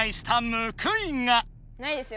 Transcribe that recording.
ないですよ